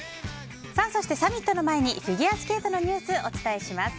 サミットの前にフィギュアスケートのニュースお伝えします。